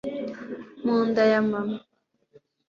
mu nda ya mama